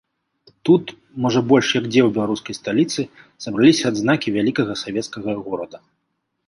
Тут, можа, больш як дзе ў беларускай сталіцы, сабраліся адзнакі вялікага савецкага горада.